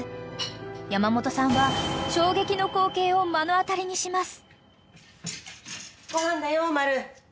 ［山本さんは衝撃の光景を目の当たりにします］